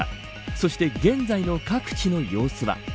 そして、現在の各地の様子は。